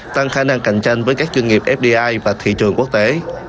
tăng khả năng cạnh tranh với các doanh nghiệp fdi và thị trường quốc tế